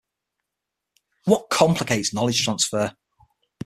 What complicates knowledge transfer?